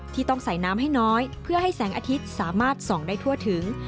ต้องใส่น้ำให้น้อยเพื่อให้แสงอาทิตย์สามารถส่องได้ทั่วถึง